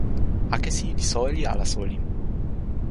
akesi li soweli ala soweli?